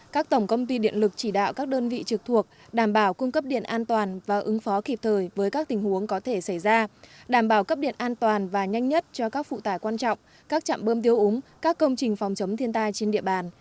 các tổng công ty điện lực chỉ đạo các đơn vị trực thuộc đảm bảo cung cấp điện an toàn và ứng phó kịp thời với các tình huống có thể xảy ra đảm bảo cấp điện an toàn và nhanh nhất cho các phụ tải quan trọng các trạm bơm tiêu úng các công trình phòng chống thiên tai trên địa bàn